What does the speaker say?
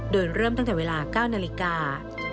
โดยเริ่มตั้งแต่เวลา๙นาฬิกา